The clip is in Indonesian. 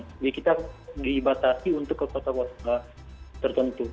jadi kita dibatasi untuk ke kota kota tertentu